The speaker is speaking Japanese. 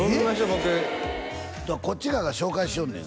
僕こっち側が紹介しよんねん